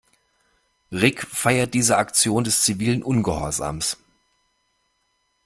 Rick feiert diese Aktion des zivilen Ungehorsams.